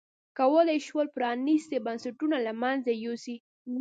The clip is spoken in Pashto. کولای یې شول پرانیستي بنسټونه له منځه یوسي.